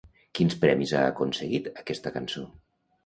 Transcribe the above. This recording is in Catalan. Quins premis ha aconseguit aquesta cançó?